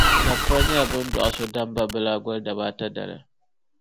Napari nyɛla bɛ ni dɔɣi so Dambabilaa gɔli dabaa ata dali.